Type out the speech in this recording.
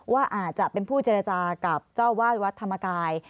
ว่าอาจจะเป็นผู้เจรจากับเจ้าวาดวัดธรรมกาย